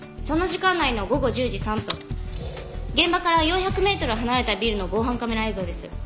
その時間内の午後１０時３分現場から４００メートル離れたビルの防犯カメラ映像です。